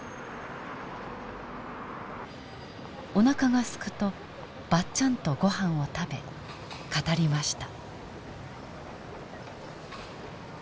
おなかがすくとばっちゃんとごはんを食べ語りました。